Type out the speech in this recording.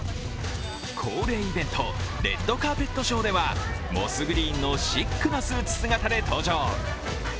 恒例イベント、レッドカーペットショーではモスグリーンのシックなスーツ姿で登場。